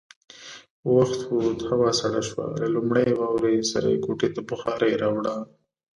وخت ووت، هوا سړه شوه، له لومړۍ واورې سره يې کوټې ته بخارۍ راوړه.